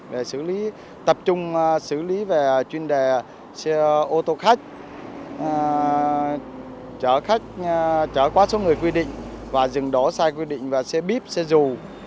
để tập trung xử lý về chuyên đề xe ô tô khách chở quá số người quy định và dừng đổ sai quy định và xe bíp xe dù